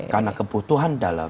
karena kebutuhan dollar